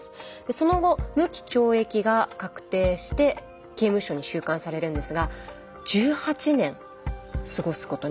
その後無期懲役が確定して刑務所に収監されるんですが１８年過ごすことになります。